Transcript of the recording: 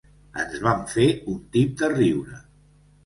Ens vam fer un tip de riure.